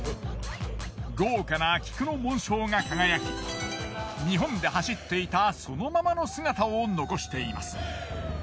豪華な菊の紋章が輝き日本で走っていたそのままの姿を残しています。